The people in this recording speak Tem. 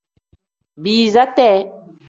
Biiza tee.